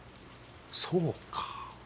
そうか。